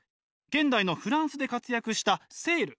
現代のフランスで活躍したセール。